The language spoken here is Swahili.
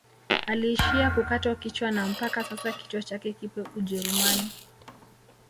Aliishia kukatwa kichwa na mpaka sasa kichwa chake kipo ujerumani